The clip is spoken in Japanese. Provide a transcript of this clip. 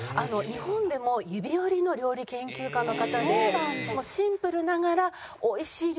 日本でも指折りの料理研究家の方でもうシンプルながらおいしい料理を作られる。